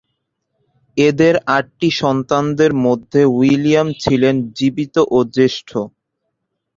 এদের আটটি সন্তানদের মধ্যে উইলিয়াম ছিলেন জীবিত ও জ্যেষ্ঠ।